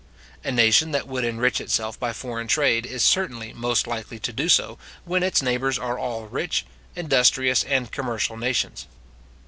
A nation that would enrich itself by foreign trade, is certainly most likely to do so, when its neighbours are all rich, industrious and commercial nations.